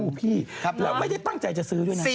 ๔คู่พี่เราไม่ได้ตั้งใจจะซื้อด้วยนะ